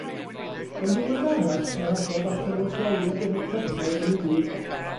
Yn ddiweddarach siaradodd â chynrychiolwyr Democrataidd yn unig.